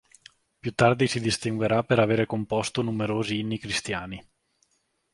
Più tardi si distinguerà per avere composto numerosi inni cristiani.